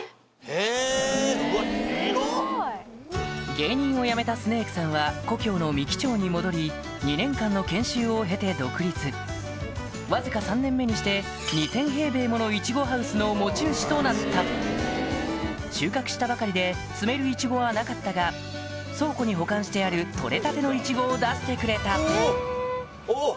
芸人を辞めたスネークさんはわずか３年目にして２０００平米ものイチゴハウスの持ち主となった収穫したばかりで摘めるイチゴはなかったが倉庫に保管してある取れたてのイチゴを出してくれたおぉ！